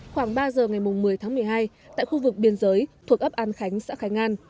khoảng ba giờ ngày một mươi tháng một mươi hai tại khu vực biên giới thuộc ấp an khánh xã khánh an